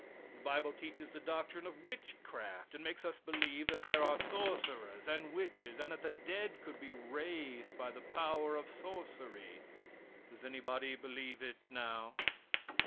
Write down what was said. The bible teaches the doctrine of witchcraft and makes us believe that there are sorcerers and witches, and that the dead could be raised by the power of sorcery. Does anybody believe it now?